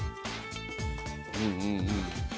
うんうんうん。